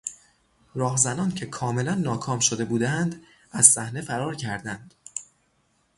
راهزنان که کاملا ناکام شده بودند از صحنه فرار کردند.